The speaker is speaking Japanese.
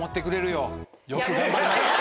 よく頑張りました。